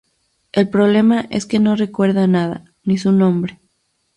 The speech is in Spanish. El problema es que no recuerda nada, ni su nombre.